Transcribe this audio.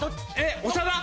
長田。